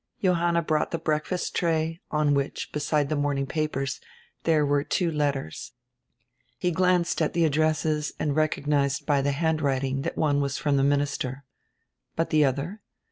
Johanna brought die breakfast tray, on which, beside the morning papers, diere were two letters. He glanced at die addresses and recog nized by die handwriting that one was from die minister. But die other?